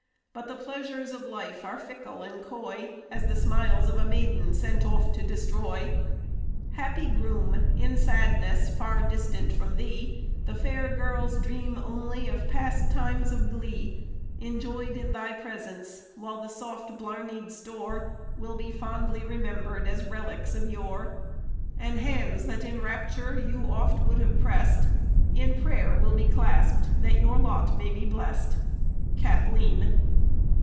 But the pleasures of life are fickle and coy As the smiles of a maiden sent off to destroy. Happy groom! in sadness, far distant from thee, The Fair girls dream only of past times of glee Enjoyed in thy presence; whilst the soft blarnied store Will be fondly remembered as relics of yore, And hands that in rapture you oft would have prest In prayer will be clasped that your lot may be blest. Cathleen.